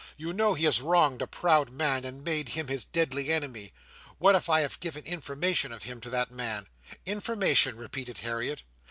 You know he has wronged a proud man, and made him his deadly enemy. What if I had given information of him to that man?" "Information!" repeated Harriet.